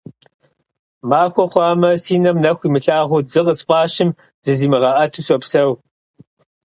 Махуэ хъуамэ си нэм нэху имылъагъуу, дзы къысфӀащым зызимыгъэӀэту сопсэу.